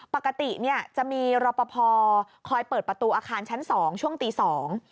ปกติเนี่ยจะมีรอปภคอยเปิดประตูอาคารชั้นสองช่วงตีสอง